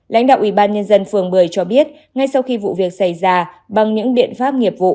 lãnh đạo ubnd phường bưởi cho biết ngay sau khi vụ việc xảy ra bằng những biện pháp nghiệp vụ